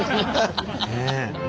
ねえ。